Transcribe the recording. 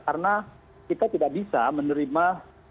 karena kita tidak bisa menerima